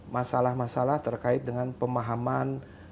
masalah masalah terkait dengan pemahaman